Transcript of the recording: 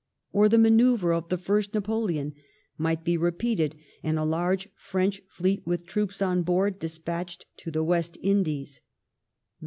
Or the manoeuvre of the first Napoleon might he repeated and a large French fleet with troops on board despatched to the West Indies.